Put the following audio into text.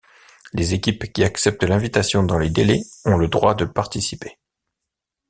Les équipes qui acceptent l'invitation dans les délais ont le droit de participer.